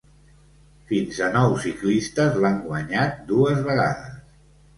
Fins a nou ciclistes l'han guanyat dues vegades.